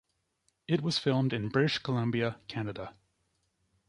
It was filmed in British Columbia, Canada.